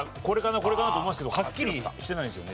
これかな？と思いますけどはっきりしてないですよね。